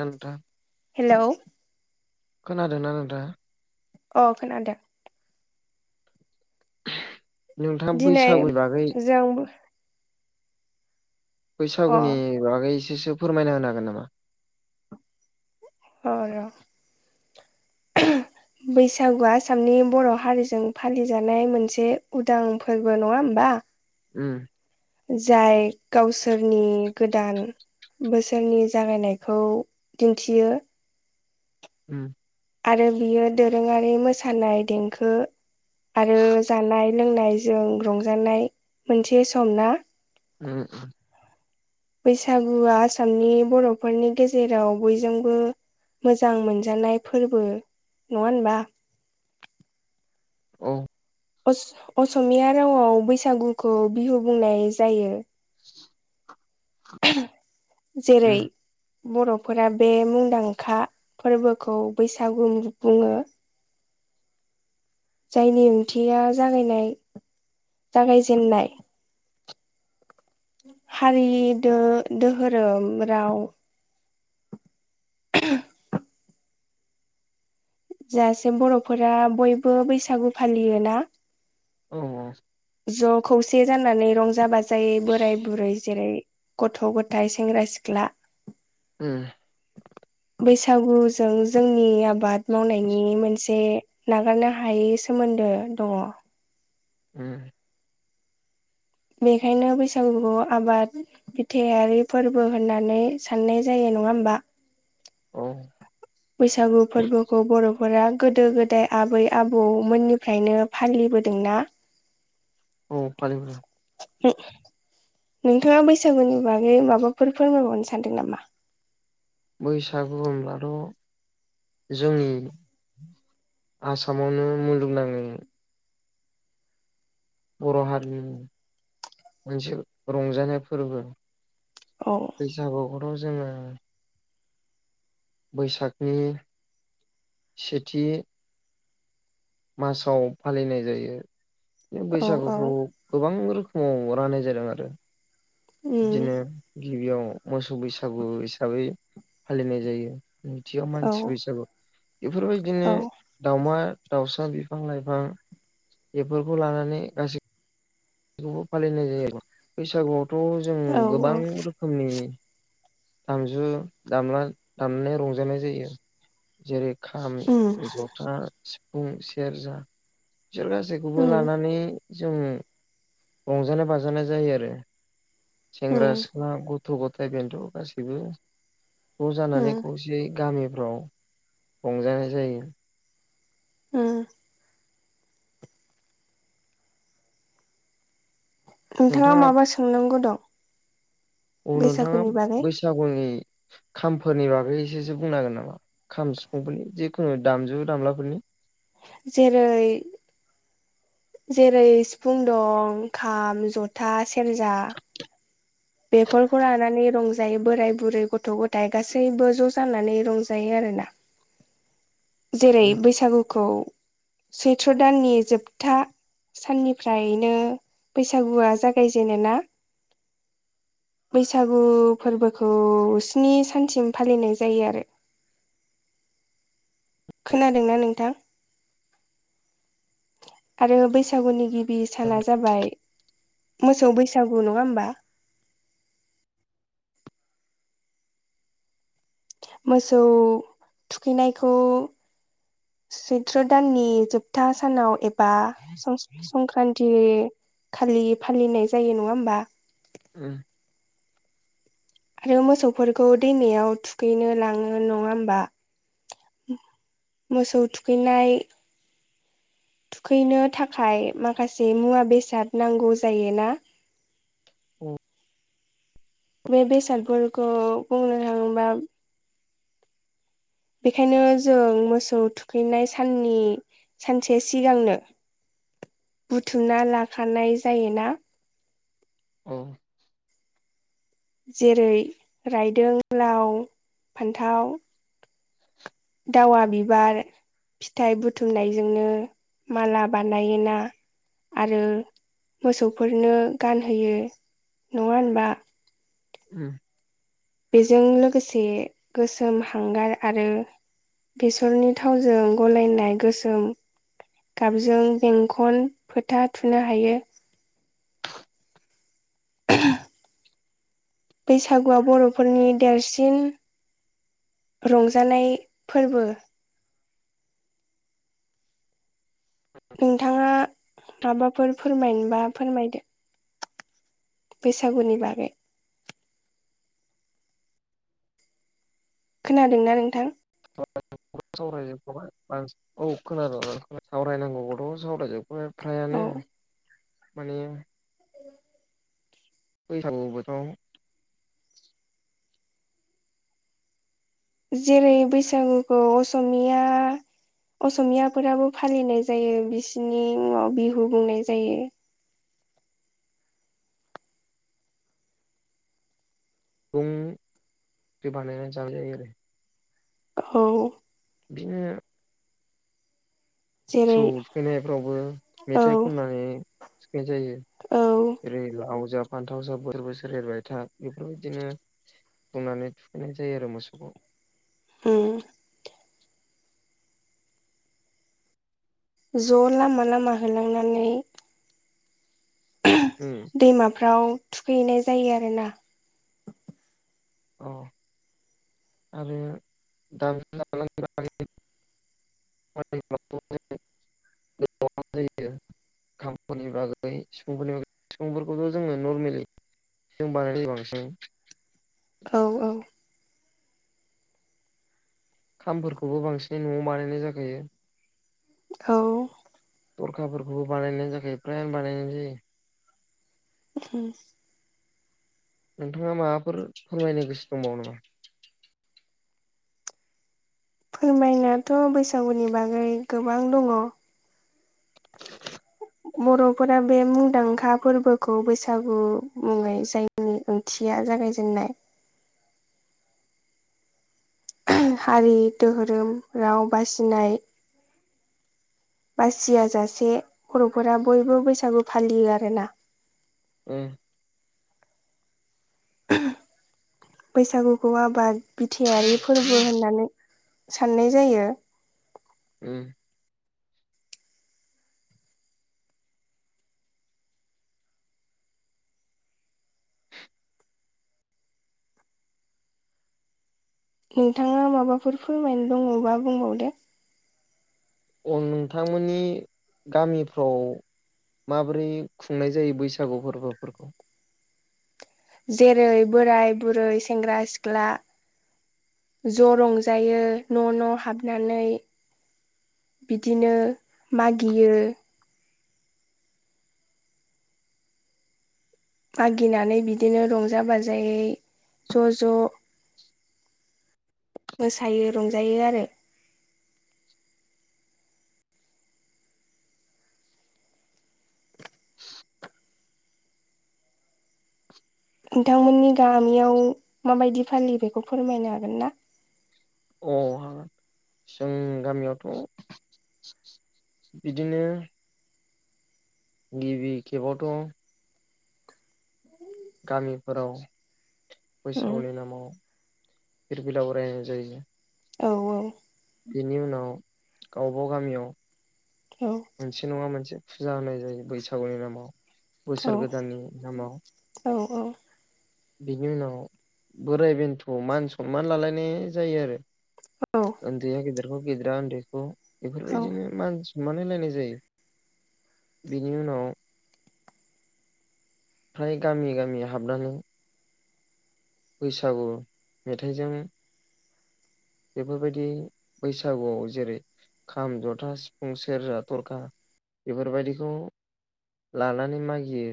उम नोंथां हेल' खोनादोंना नोंथाङा अ खोनादों नोंथाङा बैसागुनि बागै जोंबो अ बैसागुनि बागै एसेसो फोरमायना होनो हागोन नामा अ रो बैसागुआ आसामनि बर' हारिजों फालिजानाय मोनसे उदां फोरबो नङा होमबा उम जाय गावसोरनि गोदान बोसोरनि जागायनायखौ दिन्थियो। उम आरो बियो दोरोङारि मोसानाय देंखो आरो जानाय लोंनायजों रंजानाय मोनसे सम ना उम बैसागुआ आसामनि बर'फोरनि गेजेराव बयजोंबो मोजां मोनजानाय फोरबो नङा होनबा? औ असमिया रावाव बैसागुखौ बिहु बुंनाय जायो। जेरै उम बर'फोरा बे मुंदांखा फोरबोखौ बैसागु बुङो। जायनि ओंथिया जागायनाय जागायजेेननाय हारि दोहोरोम राव [inaudible] [unintelligible] जासे बर'फोरा बयबो बैसागु फालियो ना? औ-औ ज' खौसे जानानै रंजा बाजायै बोराय बुरै जेरै गथ' गथायाइ सेंग्रा सिख्ला उम बैसागुजों जोंनि आबाद मावनायनि मोनसे नागारनो हायै सोमोन्दो दंङ। उम बेखायनो बैसागु आबाद बिथायारि फोरबो होननानै साननाय जायो नङा होमबा? औ बैसागु फोरबोखौ बर'फोरा गोदो गोदाय आबै आबौमोननिफ्रायनो फालिबोदोंना? औ फालि बोदों। नोंथाङा बैसागुनि बागै माबाफोर फोरमायबावनो सानदों नामा? बैसागु बुंब्लाथ' जोंनि आसामावनो मुलुगनाङै बर' हारिनि मोनसे रंजानाय फोरबो औ बैसागु खौथ जोङो बैसागनि सेथि मासाव फालिनाय जायो बि औ औ बैसागुखौ गोबां रोखोमाव राननाय जादों आरो उम बिदिनो गिबियाव मोसौ बैसागु हिसाबै फालिनाय जायो। नैथियाव औ मानसि बैसागु बेफोरबायदिनो औ दाउमा दाउसा बिफां लाइफां बेफोरखौ लानानै गासिब खौबो फालिनाय जायो बैसागुआवथ' जों औ गोबां रोखोमनि दामजु दामला दामनानै रंजानाय जायो जेरै खाम उम ज' हा सिफुं सेरजा बिसोर गासैखौबो उम लानानै जों रंजानाय बाजानाय जायो आरो सेंग्रा उम सिख्ला गथ' गथाय बेन्थ' गासैबो ज' जानानै उम खौसेयै गामिफ्राव रंजानाय जायो। उम नोंथाङा माबा सोंनांगौ दं? औ नोंथाङा बैसागुनि बागै बैसागुनि खामफोरनि बागैसोसो बुंन हांगोन नामा खाम सिफुंफोरनि जिखुनु दामजु दामलाफोरनि जेरै जेरै सिफुं दं खाम जथा सेरजा बेफोरखौ लानानै रंजायो बोराय बुरै गथ' गथाय गासैबो ज' जानानै रंजायो आरोना। [inaudible] जेरै उम बैसागुखौ सैथ्र' दाननि जोबथा साननिफ्रायनो बैसागुआ जागायजेनो ना? बैसागु फोरबोखौ स्नि सानसिम फालिनाय जायो आरो खोनादोंना नोंथां आरो बैसागुनि गिबि बे साना जाबाय मोसौ बैसागु नङा होमबा। मोसौ थुखैनायखौ सैत्र दाननि जोबथा सानाव एबा सं क्रान्ति खालि फालिनाय जायो नङा होमबा। उम आरो मोसौफोरखौ दैमायाव थुखैनो लाङो नङा होमबा। मोसौ थुखैनाय थुखैनो थाखाय माखासे मुवा बेसाद नांगौ जायोना। उम बे बेसादफोरखौ बुंनो थाङोबा बेखायनो जों मोसौ थुखैनाय साननि सानसे सिगांनो बुथुमना लाखानाय जायोना। औ जेरै रायदों लाव फान्थाव दावा बिबार फिथाइ बुथुमनायजोंनो माला बानायोना। आरो मोसौफोरनो गानहोयो नङा होनबा। उम बेजों लोगोसे गोसोम हांगार आरो बेसरनि थावजों गलायनाय गोसोम गाबजों बेंखन फोथा थुनो हायो। बैसागुआ बर'फोरनि देरसिन रंजानाय फोरबो नोंथाङा माबाफोर फोरमायनोबा फोरमायदो। बैसागुनि बागै खोनादोंना नोंथां। सावरायजोबख'बाय औ खोनादों सावरायनांगौ गथ'खौ सावरायजोबख'बाय फ्रायानो औ माने बैसाग बोथोराव जेरै बैसागुखौ असमिया असमियाफोराबो फालिनाय जायो बिसिनि मुंयाव बिहु बुंनाय जायो। दुं बानायनानै जानाय जायो आरो औ बिदिनो मोसौ जेरै थुखैनायफ्रावबो औ मेथाइ खननानै थुखैनाय जायो। औ जेरै लाव जा फान्थाव जा बोसोर बोसोर एरबाय था बेफोरबायदिनो बुंनानै थुखैनाय जायो आरो मोसौखौ उम ज' लामा लामा होलांनानै उम दैमाफ्राव थुखैहैनाय जायो आरो ना अ आरो दाम [unintelligible] [unintelligible] [unintelligible] खामफोरनि बागै सिफुंफोरनि बाग सिफुंफोरखौथ' जोङो नरमेलि जों बानाय [unintelligible] बांसिन औ औ खामफोरखौबो बांसिनै न'आव बानायनाय जाखायो। औ दरखाफोरखौबो बानायनाय जाखायो फ्रायानो बानायनाय जायो उम नोंथाङा माबाफोर फोरमायनो गोसो दंबावो नामा? जोंनाथ' बैसागुनि बागै गोबां दङ। बर'फोरा बे मुंदांखा फोरबोखौ बैसागु मुङै जायो। [unintelligible] ओंथिया जागायजेननाय हारि दोहोरोम राव बासिनाय बासिय जासे बर'फोरा बयबो बैसागु फालियो आरोना। उम [inaudible] बैसागुखौ आबाद बिथायारि फोरबो होननानै साननाय जायो‌ उम नोंथाङा माबाफोर फोरमायनो दङबा बुंबावदो। अ नोंथांमोननि गामिफ्राव माबोरै खुंनाय जायो बैसागु फोरबोफोरखौ? जेरै बोराय बुरै सेंग्रा सिख्ला ज' रंजायो न' न' हाबनानै बिदिनो मागियो। मागिनानै बिदिनो रंजा बाजायै ज' ज' मोसायो रंजायो आरो नोंथांमोननि गामियाव माबायदि फालियो बेखौ फोरमायनो हागोन ना? अ हागोन जों गामियावथ' बिदिनो गिबि खेबावथ' गामिफोराव उम बैसागुनि नामाव फिरफिला उरायहोनाय जायो। औ औ बेनि उनाव गावबा गामियाव औ मोनसे मोनसे नङा मोनसे फुजा होनाय जायो बैसागुनि नामाव औ बोसोर गोदाननि नामाव। औ बिनि उनाव बोराय बेन्थ'आव मान सनमान लालायनाय जायो आरो। औ ओन्दैआ गेदेरखौ गेदेर आ ओन्दैखौ औ बेफोरबायदिनो मान सनमान होलायनाय जायो बिनि उनाव फ्राय गामि गामि हाबनानै बैसागु मेथाइजों बेफोरबायदि बैसागुआव जेरै खाम जथा सिफुं सेरजा थरखा बेफोरबायदिखौ लानानै मागियो।